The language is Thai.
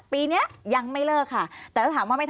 ปีนี้ยังไม่เลิกค่ะ